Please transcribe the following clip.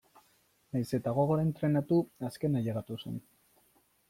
Nahiz eta gogor entrenatu azkena ailegatu zen.